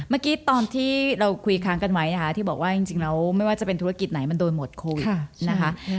เมื่อกี้ตอนที่เราคุยค้างกันไว้นะคะที่บอกว่าจริงแล้วไม่ว่าจะเป็นธุรกิจไหนมันโดนหมดโควิดนะคะ